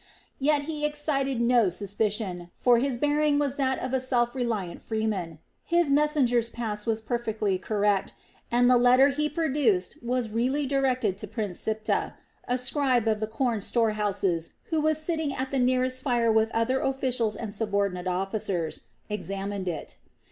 Yet he excited no suspicion; for his bearing was that of a self reliant freeman, his messenger's pass was perfectly correct, and the letter he produced was really directed to Prince Siptah; a scribe of the corn storehouses, who was sitting at the nearest fire with other officials and subordinate officers, examined it.